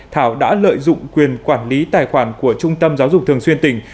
thảo đã lợi dụng quyền quản lý tài khoản của trung tâm giáo dục thường xuyên tỉnh